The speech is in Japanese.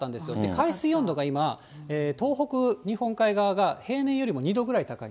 海水温度が今、東北、日本海側が平年よりも２度ぐらい高い。